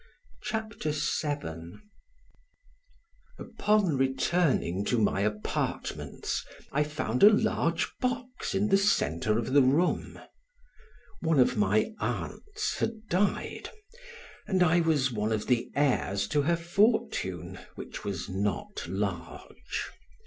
CHAPTER VII UPON returning to my apartments I found a large box in the center of the room. One of my aunts had died and I was one of the heirs to her fortune, which was not large.